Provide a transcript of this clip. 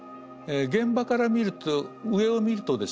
現場から見ると上を見るとですね